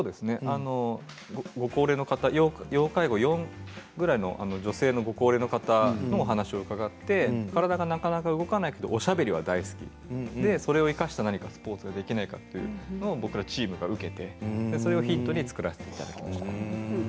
ご高齢の方要介護４ぐらいの女性のご高齢の方のお話を伺って体はなかなか動かなくておしゃべりが大好きそれを生かした何かスポーツができないかというのを僕らチームが受けてそれをヒントに作らせていただきました。